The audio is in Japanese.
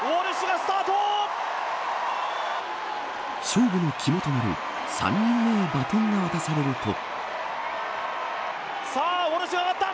勝負の肝となる３人目にバトンが渡されると。